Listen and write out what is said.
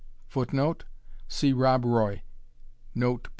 [Footnote: See Rob Roy, Note, p.